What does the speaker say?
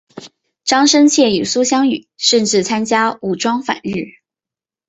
张深切与苏芗雨甚至参加武装反日。